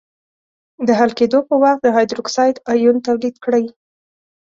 د حل کېدو په وخت د هایدروکساید آیون تولید کړي.